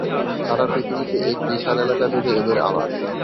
সারা পৃথিবীতে এক বিশাল এলাকা জুড়ে এদের আবাস।